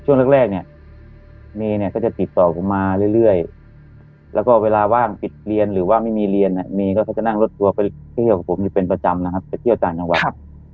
ช่วงแรกเนี่ยเมย์เนี่ยก็จะติดต่อผมมาเรื่อยแล้วก็เวลาว่างปิดเรียนหรือว่าไม่มีเรียนเมย์ก็จะนั่งรถทัวร์ไปเที่ยวกับผมอยู่เป็นประจำนะครับไปเที่ยวต่างจังหวัด